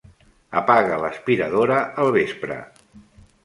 Apaga l'aspiradora al vespre.